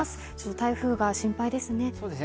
台風が心配ですね。